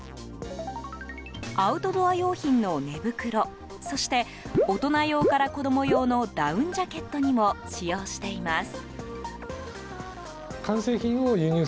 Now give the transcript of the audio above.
アウトドア用品の寝袋そして大人用から子供用のダウンジャケットにも使用しています。